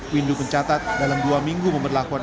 windu pencatat dalam dua minggu memperbaikinya